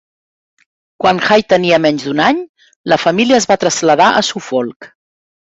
Quan Hay tenia menys d'un any, la família es va traslladar a Suffolk.